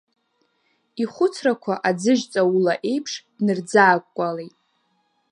Ихәыцрақәа аӡыжь ҵаула еиԥш днырӡаакәкәалеит…